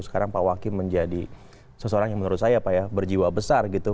sekarang pak wakil menjadi seseorang yang menurut saya pak ya berjiwa besar gitu